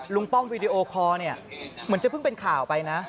ลุงป้อมวิดีโอคอล์เหมือนจะเพิ่งเป็นข่าวไปนะ